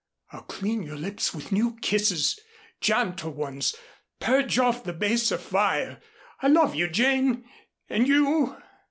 I'll clean your lips with new kisses gentle ones purge off the baser fire. I love you, Jane. And you